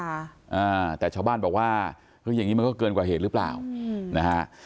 อ่าแต่ชาวบ้านบอกว่าเฮ้ยอย่างงี้มันก็เกินกว่าเหตุหรือเปล่าอืมนะฮะ